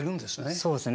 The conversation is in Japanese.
そうですね。